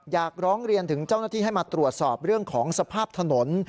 อยากร้องเรียนถึงเจ้าหน้าที่ให้มาตรวจสอบเรื่องของสภาพถนน